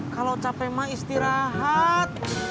kalau capek mah istirahat